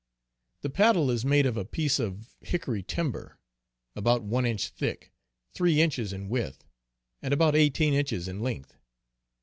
The paddle is made of a piece of hickory timber, about one inch thick, three inches in width, and about eighteen inches in length.